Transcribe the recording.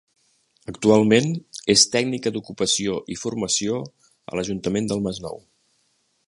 Actualment és tècnica d'ocupació i formació a l'Ajuntament del Masnou.